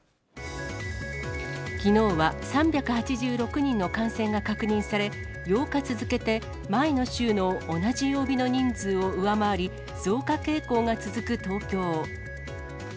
きのうは３８６人の感染が確認され、８日続けて前の週の同じ曜日の人数を上回り、増加傾向が続く東京。